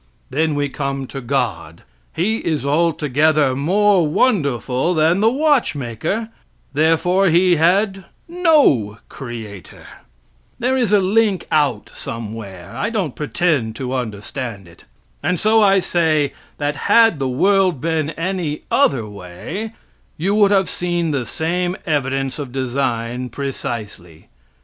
Then we come to God; He is altogether more wonderful than the watchmaker, therefore He had no creator. There is a link out somewhere; I don't pretend to understand it. And so I say, that had the world been any other way, you would have seen the same evidence of design, precisely.